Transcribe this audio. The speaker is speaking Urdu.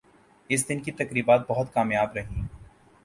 اس دن کی تقریبات بہت کامیاب رہیں ۔